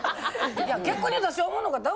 逆に私思うのが。